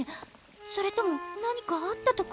それとも何かあったとか！？